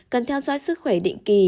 cần theo dõi sức khỏe định kỳ